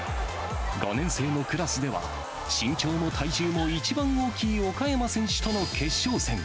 ５年生のクラスでは、身長も体重も一番大きい岡山選手との決勝戦。